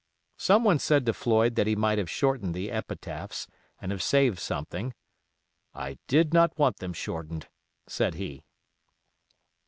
Some one said to Floyd that he might have shortened the epitaphs, and have saved something. "I did not want them shortened," said he.